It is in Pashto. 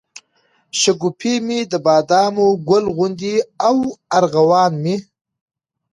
شګوفې مي دبادامو، ګل غونډۍ او ارغوان مي